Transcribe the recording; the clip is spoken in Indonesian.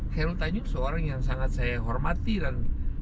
khairul tanjung seorang yang sangat saya hormati dan